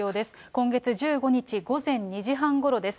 今月１５日午前２時半ごろです。